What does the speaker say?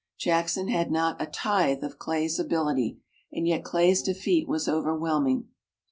Jackson had not a tithe of Clay's ability, and yet Clay's defeat was overwhelming.